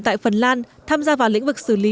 tại phần lan tham gia vào lĩnh vực xử lý